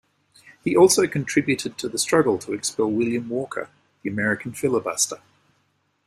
He also contributed to the struggle to expel William Walker, the American filibuster.